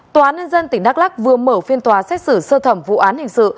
tòa án nhân dân tỉnh đắk lắc vừa mở phiên tòa xét xử sơ thẩm vụ án hình sự